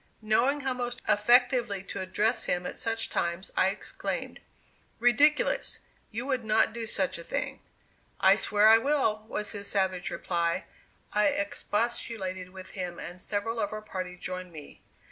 Knowing how most effectively to address him at such times, I exclaimed. "Ridiculous! you would not do such a thing." "I swear I will," was his savage reply. I expostulated with him, and several of our party joined me.